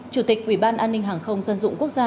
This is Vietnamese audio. chủ tịch ubanhzq